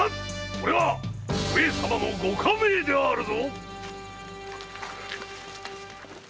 これは上様の御下命であるぞ‼